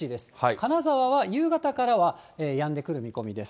金沢は夕方からはやんでくる見込みです。